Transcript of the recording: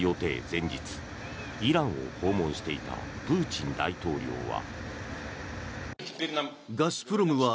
前日イランを訪問していたプーチン大統領は。